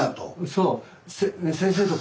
そう。